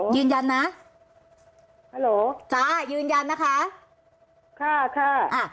ยืนยันนะฮัลโหลจ้ายืนยันนะคะค่ะค่ะอ่ะ